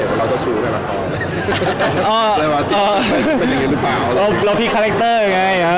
มันจะแซ่บกว่านี้ครับ